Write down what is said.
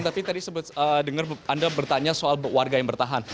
tapi tadi saya dengar anda bertanya soal warga yang bertahan